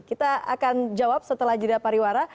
kita akan jawab setelah jeda pariwara